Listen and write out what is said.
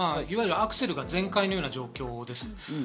いわゆるアクセルが前回のような状況です。